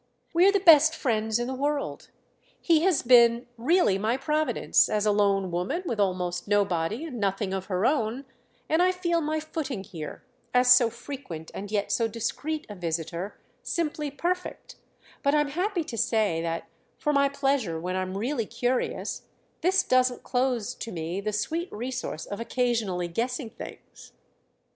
"We're the best friends in the world; he has been really my providence, as a lone woman with almost nobody and nothing of her own, and I feel my footing here, as so frequent and yet so discreet a visitor, simply perfect But I'm happy to say that—for my pleasure when I'm really curious—this doesn't close to me the sweet resource of occasionally guessing things."